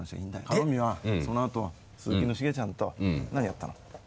晴臣はそのあとは鈴木のしげちゃんと何やったの？